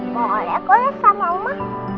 mau oleh oleh sama uma